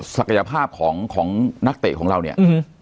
สักแรกภาพของนักเตะของเรานี่